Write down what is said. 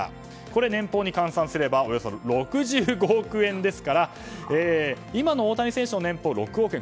これ年俸に換算すればおよそ６５億円ですから今の大谷選手の年俸６億円